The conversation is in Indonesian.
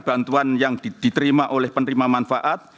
bantuan yang diterima oleh penerima manfaat